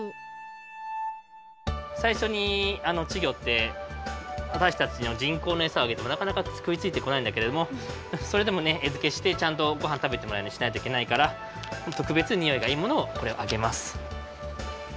さいしょにちぎょってわたしたちのじんこうのエサをあげてもなかなかくいついてこないんだけれどもそれでもねえづけしてちゃんとごはんたべてもらうようにしないといけないからとくべつにおいがいいものをこれをあげます。